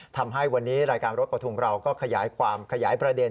ทำให้วันนี้รายการรถประทุงเราก็ขยายความขยายประเด็น